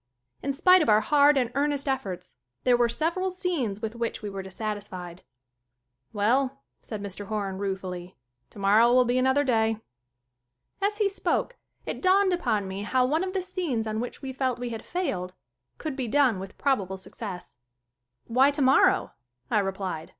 In spite of our hard and earnest efforts there were several scenes with which we were dissatisfied. "Well," said Mr. Horan ruefully. "Tomor row will be another day." As he spoke it dawned upon me how one of SCREEN ACTING 41 the scenes on which we felt we had failed could be done with probable success. "Why tomorrow?" I replied.